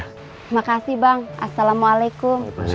terima kasih bang assalamualaikum